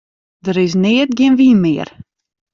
Der is neat gjin wyn mear.